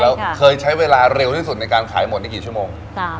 แล้วเคยใช้เวลาเร็วที่สุดในการขายหมดนี่กี่ชั่วโมง